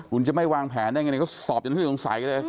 คุณจะไม่วางแผนได้อย่างไรก็สอบอย่างน้อยสงสัยเลย